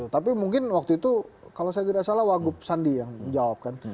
tapi mungkin waktu itu kalau saya tidak salah wagub sandi yang jawab kan